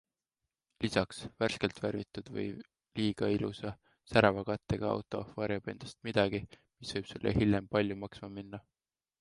Lisaks, värskelt värvitud või liiga ilusa, särava kattega auto varjab endas midagi, mis võib sulle hiljem palju maksma minna.